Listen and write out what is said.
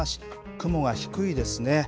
雲が低いですね。